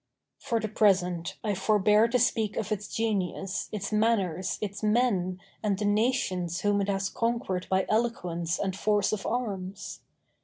For the present I forbear to speak of its genius, its manners, its men, and the nations whom it has conquered by eloquence and force of arms.